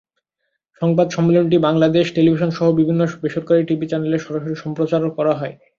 সংবাদ সম্মেলনটি বাংলাদেশ টেলিভিশনসহ বিভিন্ন বেসরকারি টিভি চ্যানেলে সরাসরি সম্প্রচার করা হয়।